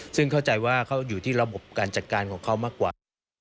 ซึ่งเข้าใจว่าเขาอยู่ที่ระบบการจัดการของเขามากกว่า